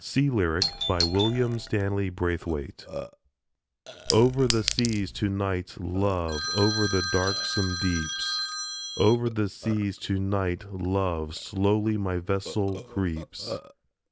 SEA LYRIC WILLIAM STANLEY BRAITHWAITE Over the seas to night, love, Over the darksome deeps, Over the seas to night, love, Slowly my vessel creeps.